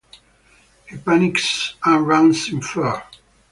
He panics and runs in fear.